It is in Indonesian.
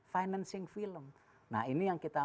financing film nah ini yang kita